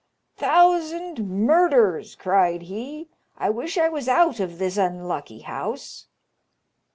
"Thousand murders!" cried he; "I wish I was out of this unlucky house."